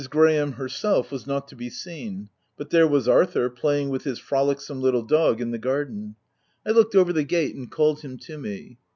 Graham, herself, was not to be seen ; but there was Arthur playing with his frolicsome little dog in the garden. I looked over the gate and called him to me.